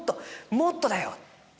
もっとだよ！」。